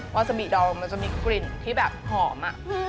วาซาบิดองมันจะมีกลิ่นที่แบบหอม